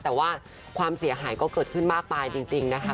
แต่ว่าความเสียหายก็เกิดขึ้นมากมายจริงนะคะ